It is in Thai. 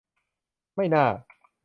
ไม่น่า